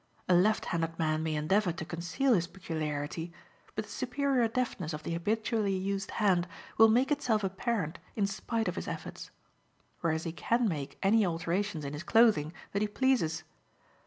A left handed man may endeavour to conceal his peculiarity, but the superior deftness of the habitually used hand will make itself apparent in spite of his efforts; whereas he can make any alterations in his clothing that he pleases.